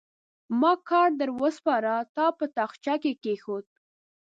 ما کار در وسپاره؛ تا په تاخچه کې کېښود.